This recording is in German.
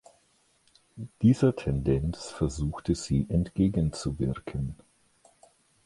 Dieser Tendenz versuchte sie entgegenzuwirken.